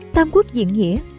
tam quốc diện nghĩa